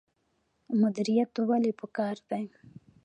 مدیریت ولې پکار دی؟